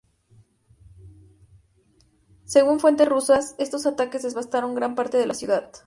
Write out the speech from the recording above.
Según fuentes rusas, estos ataques devastaron gran parte de la ciudad.